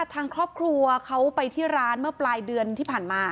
ทางครอบครัวเขาไปที่ร้านเมื่อปลายเดือนที่ผ่านมา